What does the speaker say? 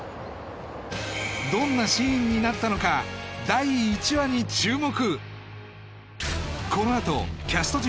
どんなシーンになったのか第１話に注目